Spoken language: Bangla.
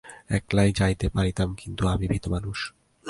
একলাই যাইতে পারিতাম, কিন্তু আমি ভিতু মানুষ।